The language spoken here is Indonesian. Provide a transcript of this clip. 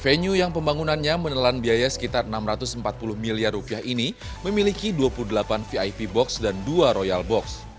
venue yang pembangunannya menelan biaya sekitar enam ratus empat puluh miliar rupiah ini memiliki dua puluh delapan vip box dan dua royal box